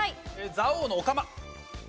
蔵王のお釜。